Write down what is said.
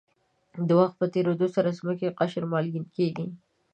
د وخت په تېرېدو سره د ځمکې قشر مالګین کېږي.